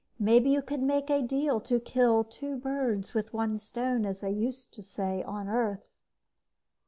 Maybe you could make a deal to kill two birds with one stone, as they used to say on Earth...."